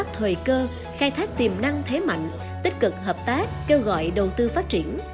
thời cơ khai thác tiềm năng thế mạnh tích cực hợp tác kêu gọi đầu tư phát triển